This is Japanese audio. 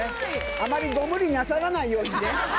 あまりご無理なさらないようにね。